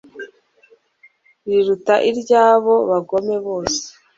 riruta iry'abo bagome bose